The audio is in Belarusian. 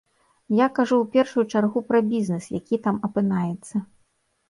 Я кажу ў першую чаргу пра бізнес, які там апынаецца.